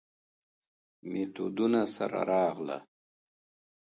میتودونو سره راغله.